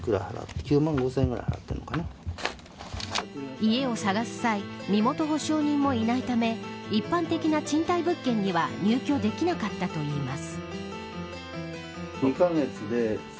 家を探す際身元保証人もいないため一般的な賃貸物件には入居できなかったといいます。